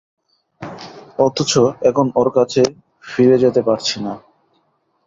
অথচ এখন ওর কাছে ফিরে যেতে পারছি না।